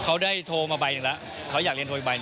เขาได้โทรมาใบ๑แล้วเขาอยากเรียนโทรอีกใบ๑